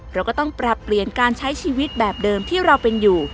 เราก็ต้องปรับเปลี่ยนการใช้ชีวิตแบบเดิมที่เราเป็นอยู่